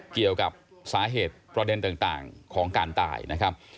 เกี่ยวกับสาเหตุประเด็นต่างของการตายนะครับ